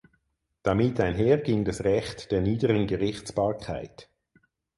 Damit einher ging das Recht der niederen Gerichtsbarkeit.